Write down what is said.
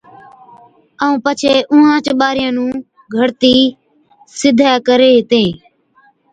ائُون پڇي اُونهانچ ٻارِيان نُون گھڙتِي سِڌَي ڪرين هِتين